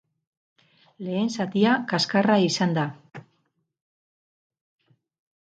Lehen zatia kaskarra izan da.